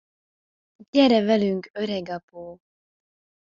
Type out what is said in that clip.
Gyere velünk, öregapó!